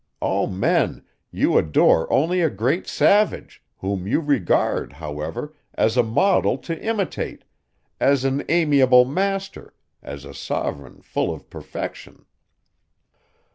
O men! You adore only a great savage, whom you regard, however, as a model to imitate, as an amiable master, as a sovereign full of perfection.